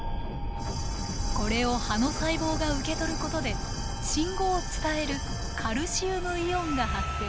これを葉の細胞が受け取ることで信号を伝えるカルシウムイオンが発生。